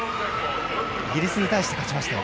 イギリスに対して勝ちましたよ。